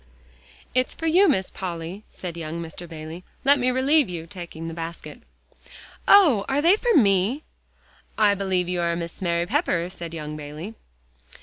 "It's for you, Miss Polly," said young Mr. Bayley. "Let me relieve you," taking the basket. "Oh! are they for me?" cried Polly. "I believe you are Miss Mary Pepper," said young Bayley.